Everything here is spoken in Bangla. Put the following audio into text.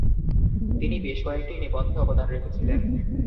তিনি বেশ কয়েকটি নিবন্ধে অবদান রেখেছিলেন।